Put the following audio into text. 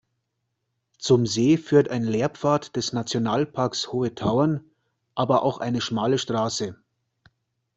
Zum See führt ein Lehrpfad des Nationalparks Hohe Tauern, aber auch eine schmale Straße.